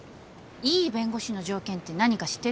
いい弁護士の条件って何か知ってる？